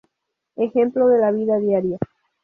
Ejemplo de la vida diaria.